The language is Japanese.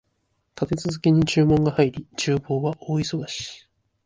立て続けに注文が入り、厨房は大忙し